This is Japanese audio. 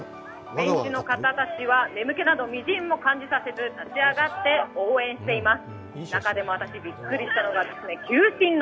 選手の方たちは眠気など微塵も感じさせず、立ち上がって応援しています。